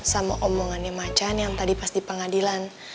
sama omongannya ma can yang tadi pas di pengadilan